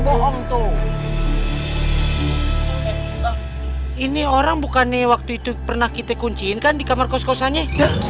bohong tuh ini orang bukannya waktu itu pernah kita kuncikan di kamar kos kosannya